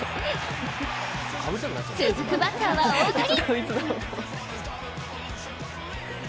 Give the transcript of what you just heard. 続くバッターは大谷。